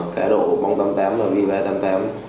cái độ bóng tăm tám và vì bé tăm tám